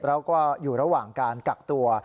แล้วก็อยู่ระหว่างการกักตัว